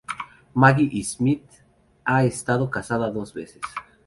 Maggie Smith ha estado casada dos veces.